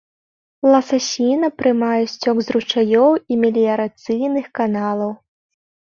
Ласасіна прымае сцёк з ручаёў і меліярацыйных каналаў.